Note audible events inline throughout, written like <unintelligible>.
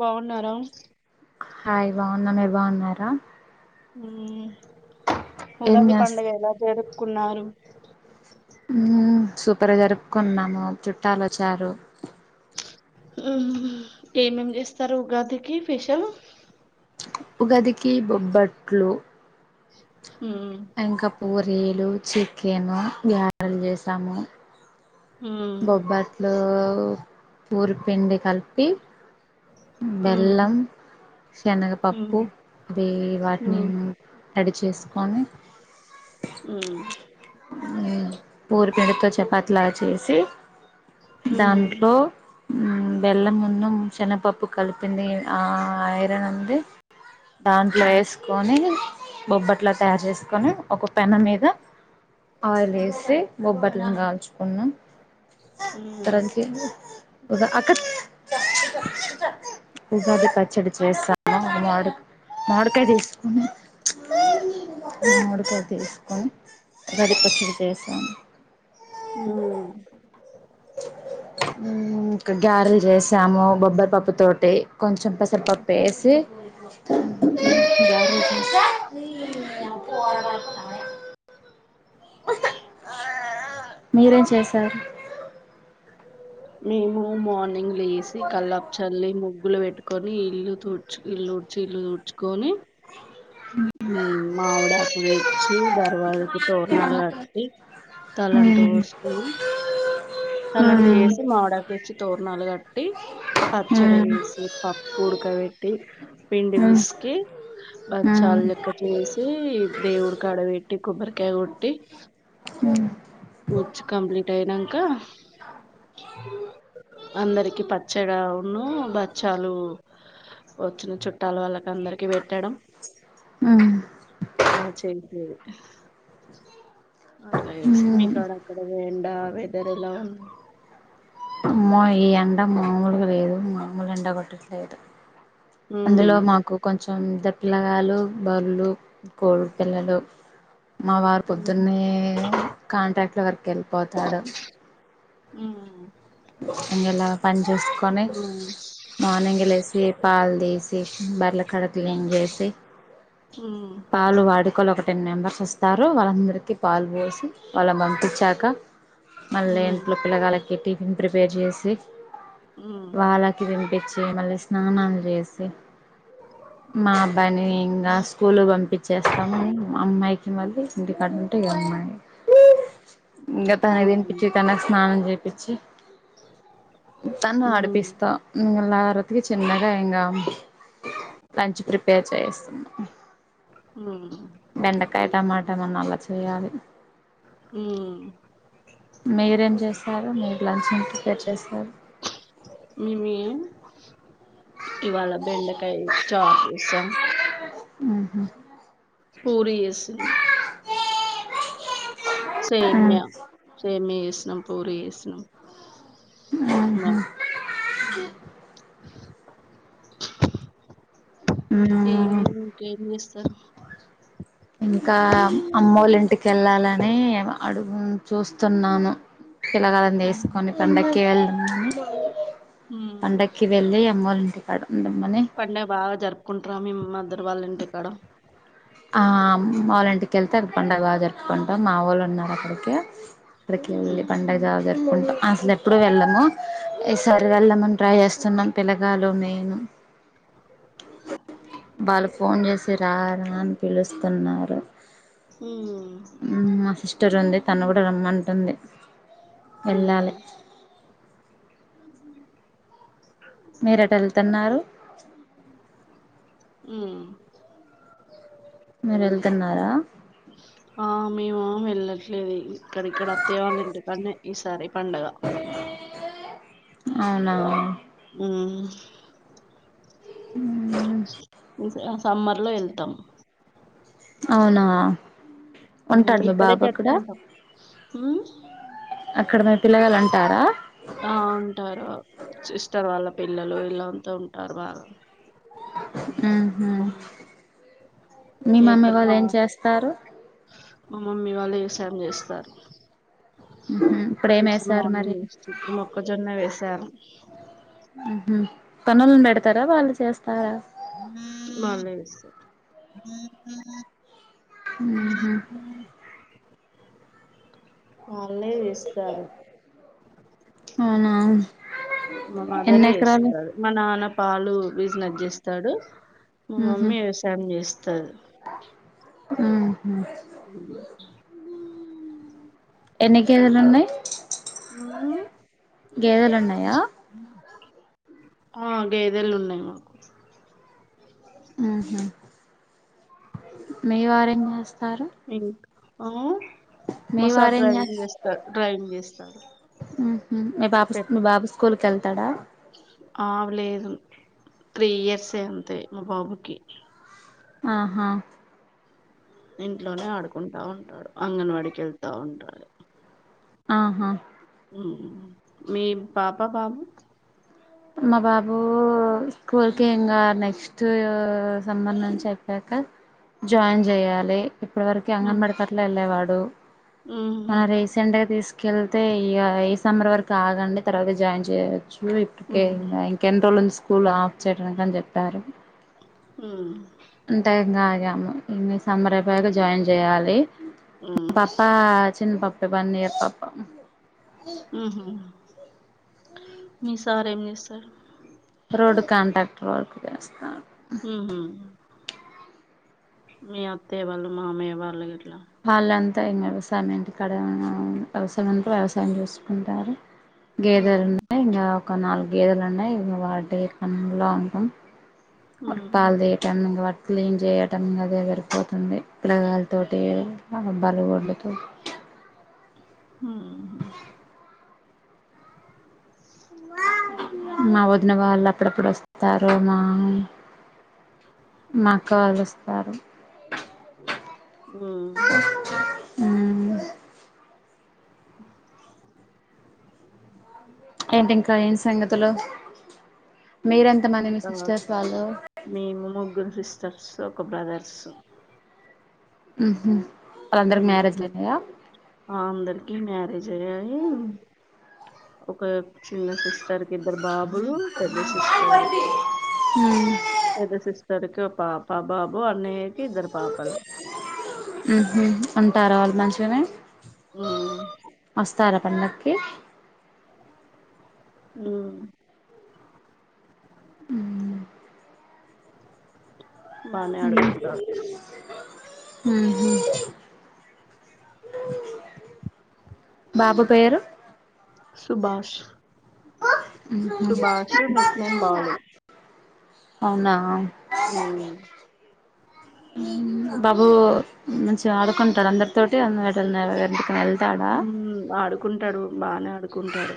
బాగున్నారా హాయ్ బాగున్నా మీ బాగున్నా నరం ఉ ఏం ఉగాది చేస్ పండుగ ఎలా జరుపుకున్నారు ఉమ్ సూపర్గా జరుపుకున్నాము చుట్టలోచ్చారు. ఏమేం చేస్తారు ఉగాదికి స్పెషల్ ఉగాదికి బొబ్బట్లు మ్మ్ ఇంకా పూరీలు చికెను గ్యారెలు చేసాము. మ్మ్ బొబ్బట్లు పూరి పిండి కలిపి మ్మ్ బెల్లం శనగపప్పు మ్మ్ అది వాటిని మ్మ్ రడి చేసుకొని మ్మ్ హ్మ్ పూరి పిండితో చపాతి లా చేసి మ్మ్ దాంట్లో మ్మ్ బెల్లం ఉన్న శనపప్పు కలిపింది ఆ ఐరన్ ఉంది. దాంట్లో ఏసుకొని బొబ్బట్లా తయారు చేసుకొని ఒక పెన్నం మీద ఆయిల్ వేసి బొబ్బట్లను గాల్చుకున్నాం మ్మ్ అక్క ఉగాది పచ్చడి చేశా మామిడి మామిడికా మాడికాయ తీసుకొని మాడికాయ తీసుకొని ఉగాది పచ్చడి చేసాను మ్మ్. ఇంకా గ్యారెలు చేసాము బొబ్బయి పప్పు తోటి కొంచెం పెసరపప్పు ఏసి గ్యారెలు చేసా మీరేం చేశారు మేమా మా ఇంగ లేసి కల్లాప్ చల్లి ముగ్గులు పెట్ట్ కొని ఇల్లుతుడ్చ్ ఇల్లుఊడ్చి ఇల్లుతుడ్చుకొని మ్మ్ మావిడాకు తెచ్చి దర్వాజకి తోరణాలు కట్టి తలంటు ఉమ్ పోస్కొని తలంటు అమ్మో చేసి మామిడాకు తెచ్చి, తోరణాలు కట్టి పచ్చడి చేసి, పప్పు ఉడకబెట్టి, పిండి పిసికి బచ్చాలు లెక్క చేసి, దేవుడికాడ పెట్టి, కొబ్బరికాయ కొట్టి వచ్చి కంప్లీట్ అయినంకా అందరికి పచ్చడా వ్ నూ బచ్చాలు వచ్చిన చుట్టాల వాళ్ళ అందరికి పెట్టడం అట్ల చేశా. మీకాడ అక్కడ వెండా వె వేరేలా ఉంద్ అమ్మో ఈ ఎండ మామూలుగా లేదు. మామూలు ఎండ కొట్టట్లేదు. అందులో ఉమ్ మాకు కొంచ్ సొంత పిలగాలు, బర్లు, కోడి పిల్లలు. మా వారు ఉమ్ పొద్దున్నే కాంట్రాక్ట్ వర్క్ కెల్ల్ పోతాడు ఊ హ్మ్ ఇంగ నా పని చూసుకొని ఉమ్ మార్నింగ్ ఏ లేసి పాల్ తీసి బర్ల అక్కడ క్లీన్ చేసి ఉమ్ పాలు వాడుకా లో టెన్ మెంబర్స్ వస్తారు వాళ్ళందరికీ పాల్ పోసి వాళ్ళని పంపించాక మళ్ళీ ఉమ్ ఇంట్లో పిల్లగాళ్ళకి టీ ఫిన్ ప్రిపేర్ చేసి ఉమ్ వాళ్ళకి తినిపిచ్చి మళ్లీ స్నానం చేసి మా అబ్బాయిని ఇంగా స్కూలు పంపించేస్తాము. అమ్మాయికి మళ్ళీ ఇంటికాడుంటే అమ్మాయి ఇంగ తనకి ఉమ్. తినిపించి తనకు స్నానం చే పిచ్చి తన్ను ఉమ్ ఆడిపిస్తా హ్మ్ నా వరకు చిన్నగా ఇంగా మంచి ప్రిప్ పేర్ చేస్తున్నాం ఉమ్ బెండకాయ టమా తనని అలా చేయాలి ఉం సరేలే లంచ్ నేన్ ప్రిపేర్ చేస్తా మిమి ఇవాళ బెండకాయ చార్ చేసాం ఉహుం పూరి చేస్తుంది సేమ్యా సేమియ చే నం పూరీ చేసినం మ్మ్ మ హ్మ్ ఏం మ్మ్ లేదు ఇంకేం చేస్తాం ఇంకా అమ్మోళ్ళ ఇంటికెళ్ళాలని అడుగు చూస్తున్నాను పిలగాన్ని ఉమ్ ఎసుకొని పండక్కే ల్ పండక్కి వెళ్ళి అమ్మోళి <unintelligible> పండుగ బాగా జరుపు ఒప్పుకుంటార మి మదర్ వాళ్ళ ఇంటిక్కడ ఆ మా వాళ్ళ ఇంటికెళ్తే అది పండుగగగా జరుపుకుంటాం మా వాళ్ళు ఉన్నారు అక్కడికి ఇే ఉమ్ పండ జ <unintelligible> అసలు ఎప్పుడ వెళ్ళము ఈసారి వెళ్ళమని ట్రై చేస్తా సన్న పిల్లగాలు నేను వాళ్ళు ఫోన్ చేసి రారని పిలుస్తున్నారు ఉమ్ మా సిస్ట రంది తను కూడా రమ్మంటుంది ఉమ్ వెళ్ళాలి మేరె టెల్తూన్నారు హుమ్ మీరు వెళ్తున్నారా <unintelligible> కాదు ఇక్కడ అత్తయ్యలింటి కాడని ఈసారి పండగ అవునా హ్మ్మ్ హుమ్ అని <unintelligible> సమ్మర్ లో వెళ్తాం అవునా ఉంటాడు మీ ఇక్కడే బాబు అక్కడ జరుపుకుంటాం పిల్లగలంటారా ఆ ఉంటారు ఇస్టర్ వాళ్ళ పిల్లలు ఇలాంతా ఉంట తబా ఆ మీ మమ్మీ వాళ్ళు ఏం చేస్తారు మ మమ్మ వాళ్ళు వ్యవసాయం చేస్తారు ప్పుడేమేశారు మరి చెప్పు మొక్కజొన్న వేసారు పనులను పెడతారా వాళ్ళు చేస్తారా బళస్త <unintelligible> బ ఉహు <unintelligible> వల్లే తీస్తారు అవునా ఎన్ని మాదరే ఎకరాలు ఇస్తది మా నానప్ప పాలు బిజినెస్ చేస్తాడు మా ఉహు మమ్మీ వ్యవసాయం చేస్తాారు ఉహు ఎన్ని కేజీలు ఉన్నాయి్ గేదలున్నాయా ఆ గేదాలు ఉన్నాయి మాకు ఆహా మీ వారేం చేస్త ఇ ఆ మీ మా సార్ వారేం డ్రైవింగ్ చేస్తారు చేస్తా డ్రైవింగ్ చేస్తాడు ఉహు మీ బాబు మీ బాబు స్కూల్కి వెళ్తాడా ఆలేదు త్రీ ఇయర్సే అంతే మా బాబుకి ఆహా ఇంట్లోనే ఆడుకుంటా ఉంటాడు అంగన్వాడికి వెళ్తా ఉంటాడు ఆహా మీ పాప బాబు మా బాబు స్కూల్ క ఇంకా నెక్స్ట్ సమ్బర్ నుంచి చెప్పాక జాయిన్ చెయాలి ఇప్పటి వరకు ఉమ్, అంగన్వాడికర్లు వెళ్ళేవాడు ఉమ్, అ <inaudible> మన రీసెంట్ గా తీసుకు కెళ్తే ఈ ఈ సమ్బర్ వరకు ఆగండి తర్వాత జాయిన్ చేయొచ్చు ఓకే ఉమ్, ఇంక ఎన్నోలుంది స్కూల్ స్కూల్ ఆఫ్చెంరంట అంట చెప్పారు హ్మా ఈన్ని సమ్మర్ అయిపోయాక జాయిన్ జేయాలి మా ఉమ్, పాపా చిన్న పాపే వన్ ఇయర్ పాప హ్మా హా మీ సార్ ఏం జేస్తారు రోడ్డు కాంట్రాక్టర్ వర్క్ చేస్తారు ఉహు మీ అత్తయ వాళ్ళు మామ్మయ్య వాళ్ళు గెట్లా వాళ్ళంతా వ్యవసాయం ఇంటి కాడ ఆ వ్యవసాయం అంటే వ్యవసాయం చేసుకుంటారు ఉమ్, గేదెలు ఉన్నయి ఒక నాలుగేదులు ఉన్నాయి ఇ వాటి పన్లో ఉంటాం ఉమ్, <inaudible> క్లీన్ జేయటం అద సరిపోతుంది పిలగాలతోటి బర్రిగొడ్లికి హ్మ్ మా వదినవాల అప్పుడప్పుడు వస్తారు మా మా అక్క వాలొస్తారు ఉమ్. ఆ ఏంటి ఇంకా ఏం సంగతులు మీరెంతమంది మీ ఇంకా సిస్టర్స్ వాళ్ళు మేము ముగ్గురు సిస్టర్సు ఒక బ్రదర్సు హామ్ హ్ అందకి మ్యారేజ్ ఒక చిన్న సిస్టర్కి ఇద్దరు బాబ్‌ పెద్ద సిస్టర్కి పెద్ద సిస్ ఇద్దరికి ఒక్పాప బాబు అన్నయ్యకి ఇద్దరు పాపలు హ్మా హ్మా ఉంటారా వాళ్ళు మంచిగనే ఉమ్ త్తారా పన్నకి హ్మ్ బానే ఆడుకుంటాడు హ్మ్ హ్మ్ హ్ బాబు పేరు సుభాష్ ఉహు సుభాష్ నిక్ నేమ్ బాలు అవునా ఉమ్ హ్ బాబు మంచిగా ఆడుకుంటారు. అందరితో టి ఏటన్న ఎవరన్నా ఇంటికన్న వెళ్తే హ్ ఆడుకుంటాడు. బానే ఆడుకుంటాడు.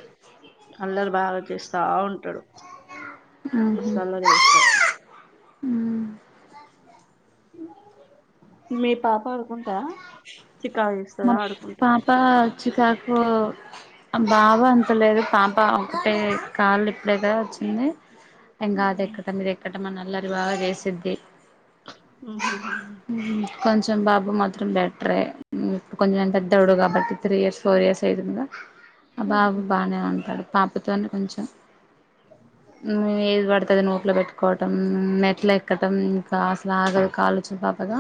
అల్లరీ బాగా చేస్తా ఉంటాడు. ఉహు మస్త్ అల్లరి చేస్తాడు. మీ పాప వారకు అ చికాకు మా చేస్తదా ఆడుకుంటా పాప చికాకు బాగా అంత లేదు పాప ఒకటే కాళ్ళు ఇప్పుడేగా వచ్చింది. ఏం గాదు ఎక్కూత మీరు ఎక్ కంటే అల్లరి బాగా చేసుద్ది హ్ హ్ హ్ కొంచెం బాబు మాత్రం బెటరే ఉ ఇప్పుడు కొంచెం పెద్దొడు కాబట్టి త్రీ ఇయర్స్ ఫోర్ ఇయర్స్ అయితుందిగా ఆ ఉహు బాబు బానే ఉంటాడు. పాపతోనే కొంచెం ఉ ఏది పడితే అది నోట్లో పెట్టుకోవటడం. మేట్లు ఎక్కడం ఇంకా అసలు ఆగదు. కాలు చిన్న పాపగా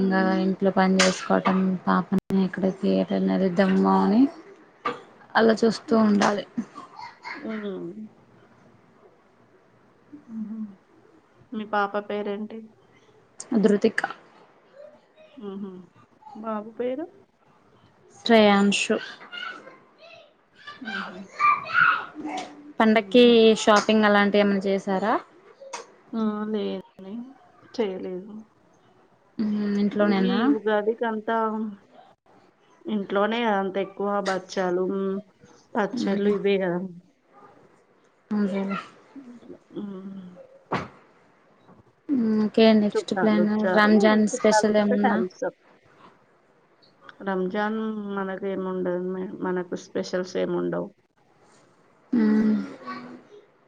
ఇంగా ఇంట్లో పని చేసుకోవటం టం పాప ఇక్కడ థియేటర్ ఏలుద్దాము అని అలా చూస్తూ ఉండాలి. ఉమ్ మీ పాప పేరేంటి దృతికా హ్ హు బాబు పేరు శ్రేయాంశు ఉహు పండక్కి ఉమ్ షాపింగ్ అలాం ఏమన్నా చేశారా ఆ లేదండి చేయలేదు ఉ ఇంట్లోనేనా ఆ ఇంట్లోనే అంత ఏ ఎక్కువ బచ్చాలు పచ్చళ్ళు ఇవే గాదా హ్ హు హ్ ఉ ఓకే నెక్స్ట్ చుట్టాలు ప్లాన్ వచ్చారు రంజాన్ స్పెషల్ చుట్టాలతోటి ఏమన్నా టైమ్ ఇస్తాం రంజాన్ మనక ఏమి ఉండదు మ మనకు స్పెషల్స్ ఏమి ఉండవు అ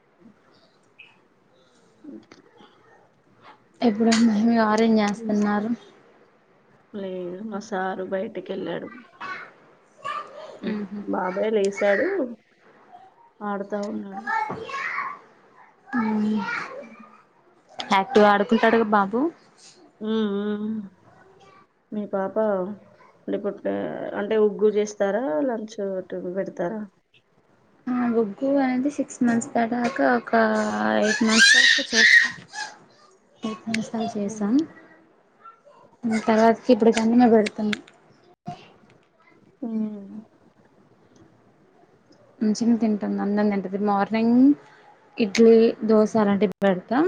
అ ఎప్పుడన్నా ఏం చేస్తున్నారు లేదు మా సారు బయటికి వెళ్ళాడు బాబాయ్ లేసాడు ఆడుతా ఉన్నాడు హ్యాపీ గా అడుకుంటాడుగా బా ఉ ఉమ్, ఉమ్. మీ పాపే ప అంటే ఉగ్గు చేస్తారా లంచ్ పెడతారా ఉగ్గు అనేది సిక్స్ మంత్స్ ద దాకా ఒక ఎయిట్ మంత్స్ వరకా చేస్తాం ఉమ్. చేసాం తర్వాత ఇప్పుడు కనిమ పెడుతును హ మంచిగా తింటుంది అన్నం తింటుది మార్నింగ్ ఇడ్లీ దోశ అలాంటే పెడతా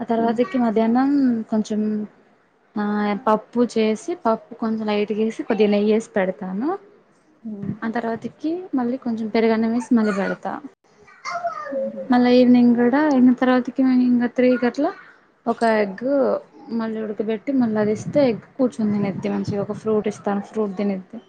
ఆ తర్వాత ఉమ్ ఎకి మధ్యాహ్నం కొంచెం ఆ పప్పు చేసి పప్పు కొంచెం లైట్గాేసి కొద్ది నెయేసి పెడతాను ఉమ్ ఆ తర్వాతకి మళ్ళీ కొంచెం పెరుగనేవిే స్ మలి పెడతాను ఉమ్. మళ్ళ ఈవినింగ్ కూడా ఎ తర్వాతకి మే ఇంకా త్రీ గట్లా ఒక ఎగ్ మళ్ళీ ఉడకబెట్టి మళ్ళీ అది ఇస్తే ఎగ్ కూర్చొని తినెద్ది మంచిగా ఒక ఫ్రూట్ ఇస్తాను ఫ్రూట్ తినెద్ది